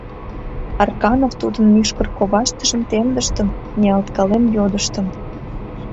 Арканов тудын мӱшкыр коваштыжым темдыштын, ниялткален йодыштын: